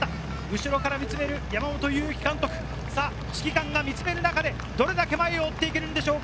後から見つめる山本監督、指揮官が見つめる中でどれだけ前を追っていけるのでしょうか。